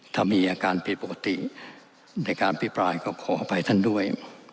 ถ้ามีอาการผิดปกติในการพิปรายก็ขออภัยท่านด้วย